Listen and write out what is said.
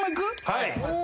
はい。